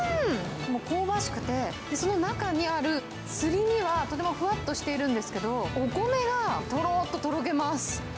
もう香ばしくて、その中にあるすり身は、とてもふわっとしているんですけれども、お米が、とろーっととろけます。